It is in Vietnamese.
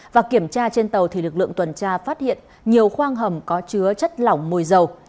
và kiểm tra trên tàu thì lực lượng tuần tra phát hiện nhiều khoang hầm có chứa chất lỏng mùi dầu